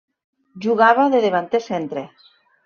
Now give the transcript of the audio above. Jugava de davanter centre.